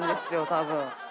多分。